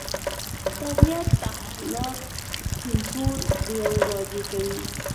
طبیعت تحولات سپین تور دېو راجع کوي.